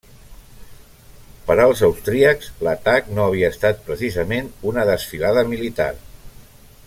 Per als austríacs, l'atac no havia estat precisament una desfilada militar.